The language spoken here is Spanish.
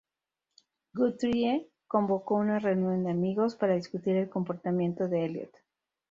Guthrie convocó una reunión de amigos para discutir el comportamiento de Elliott.